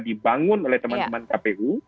dibangun oleh teman teman kpu